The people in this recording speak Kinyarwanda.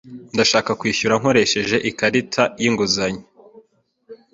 Ndashaka kwishyura nkoresheje ikarita y'inguzanyo.